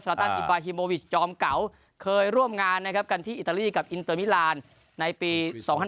สลัดต้านอิบาฮิโมวิชจอมเก๋าเคยร่วมงานกันที่อิตาลีกับอินเตอร์มิลานในปี๒๐๐๘๒๐๐๙